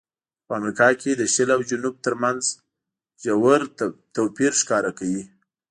خو په امریکا کې د شل او جنوب ترمنځ ژور توپیر ښکاره کوي.